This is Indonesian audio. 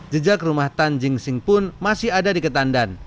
jejak rumah tan jing sing pun masih ada di ketandan